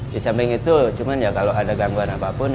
di samping itu cuma ya kalau ada gangguan apapun